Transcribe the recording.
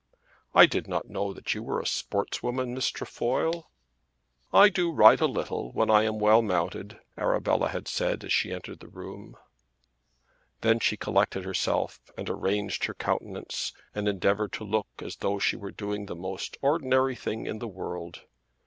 "I did not know that you were a sportswoman, Miss Trefoil." "I do ride a little when I am well mounted," Arabella had said as she entered the room. Then she collected herself, and arranged her countenance, and endeavoured to look as though she were doing the most ordinary thing in the world.